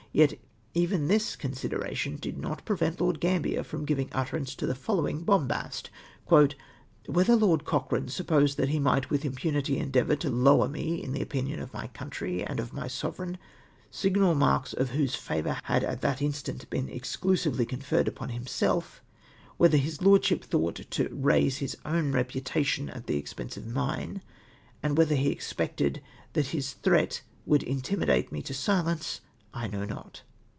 Yet, even this consideration did not prevent Lord Gam bler from o ivino utterance to the foUowino; bombast :—" Whether Lord' Cochrane supposed thcat he might with inijiunity endeavour to lower me in the opinion of my country and of my sovereign, signal marks of whose favour had at that instant been exclusively conferred upon himself,— whether his Lordship thought to raise his oivn reputation at the expense of mine, — and whether he expected that his threat would intimidate me to silence, I know not."